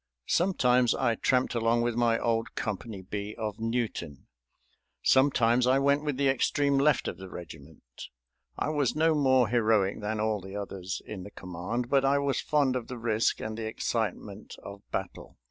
Sometimes I tramped along with my old Company B of Newton, sometimes I went with the extreme left of the regiment. I was no more heroic than all the others in the command, but I was fond of the risk and the excitement of battle.